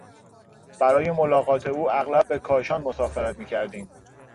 برای ملاقات او اغلب به کاشان مسافرت میکردیم.